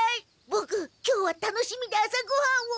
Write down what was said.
ボク今日は楽しみで朝ごはんを。